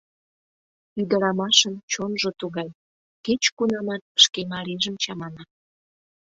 Ӱдырамашын чонжо тугай, кеч-кунамат шке марийжым чамана...